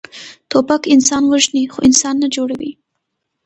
توپک انسان وژني، خو انسان نه جوړوي.